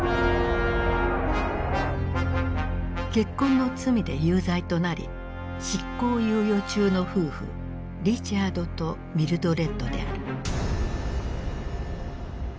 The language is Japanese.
結婚の罪で有罪となり執行猶予中の夫婦リチャードとミルドレッドである。